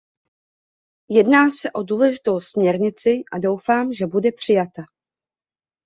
Jedná se o důležitou směrnici a doufám, že bude přijata.